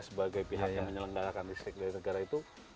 sebagai pihak yang menyelenggarakan listrik dari negara itu